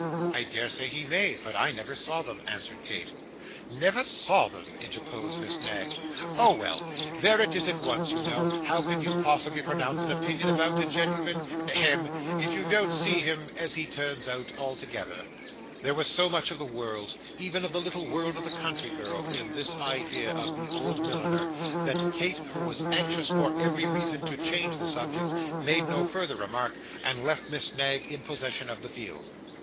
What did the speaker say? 'I dare say he may, but I never saw them,' answered Kate. 'Never saw them!' interposed Miss Knag. 'Oh, well! There it is at once you know; how can you possibly pronounce an opinion about a gentleman hem if you don't see him as he turns out altogether?' There was so much of the world even of the little world of the country girl in this idea of the old milliner, that Kate, who was anxious, for every reason, to change the subject, made no further remark, and left Miss Knag in possession of the field.